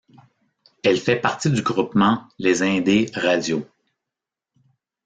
Elle fait partie du groupement Les Indés Radios.